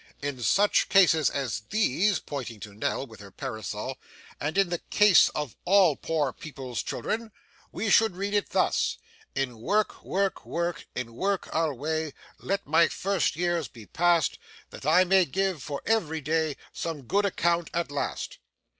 In such cases as these,' pointing to Nell, with her parasol, 'and in the case of all poor people's children, we should read it thus: "In work, work, work. In work alway Let my first years be past, That I may give for ev'ry day Some good account at last."